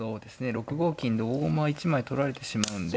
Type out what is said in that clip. ６五金で大駒が１枚取られてしまうんで。